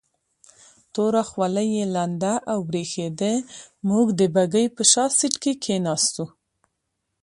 توره خولۍ یې لنده او برېښېده، موږ د بګۍ په شا سیټ کې کېناستو.